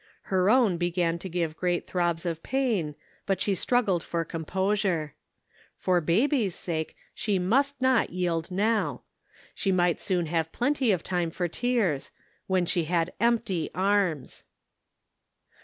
Her own began to give great throbs of pain, but she struggled for composure. For baby's sake she must not yield now. She might soon have plenty of time for tears — when she had empty arms